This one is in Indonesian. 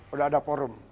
sudah ada forum